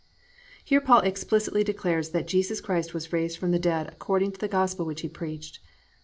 "+ Here Paul explicitly declares that Jesus Christ was raised from the dead according to the gospel which he preached.